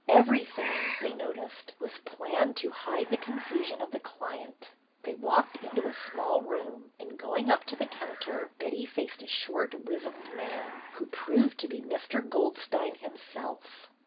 Everything, they noticed, was planned to hide the confusion of the client. They walked into a small room, and going up to the counter Betty faced a short, wizened man, who proved to be Mr. Goldstein himself.